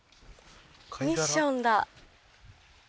ミッションだ。